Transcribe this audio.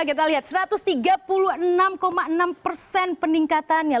kita lihat satu ratus tiga puluh enam enam persen peningkatannya